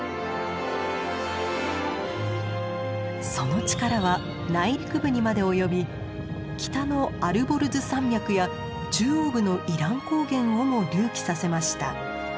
その力は内陸部にまで及び北のアルボルズ山脈や中央部のイラン高原をも隆起させました。